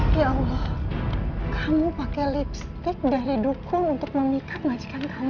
ya allah kamu pakai lipstick dari dukung untuk memikat majikan kamu